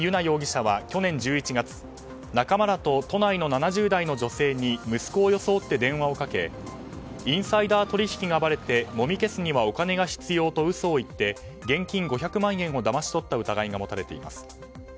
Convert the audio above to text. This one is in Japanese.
容疑者は去年１１月仲間らと都内の７０代の女性に息子を装って電話をかけインサイダー取引がばれて揉み消すにはお金が必要と嘘を言って現金５００万円をだまし取った疑いが持たれています。